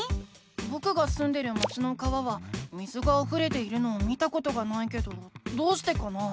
ぼくがすんでる町の川は水があふれているのを見たことがないけどどうしてかな？